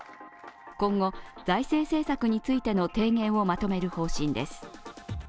今後、財政政策についての提言をまとめる方針です。